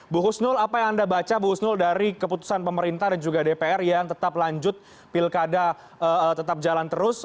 bu husnul apa yang anda baca bu husnul dari keputusan pemerintah dan juga dpr yang tetap lanjut pilkada tetap jalan terus